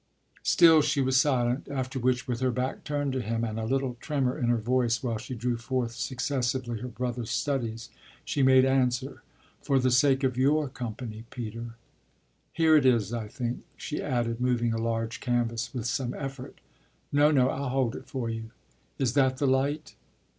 Still she was silent; after which, with her back turned to him and a little tremor in her voice while she drew forth successively her brother's studies, she made answer: "For the sake of your company, Peter! Here it is, I think," she added, moving a large canvas with some effort. "No, no, I'll hold it for you. Is that the light?"